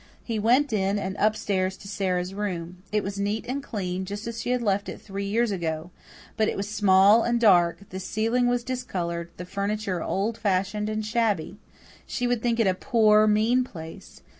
He went in, and up stairs to Sara's room. It was neat and clean, just as she had left it three years ago. But it was small and dark; the ceiling was discoloured, the furniture old fashioned and shabby; she would think it a poor, mean place.